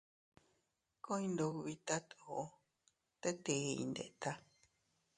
Ku iyndubitat uu, tet ii iyndeta.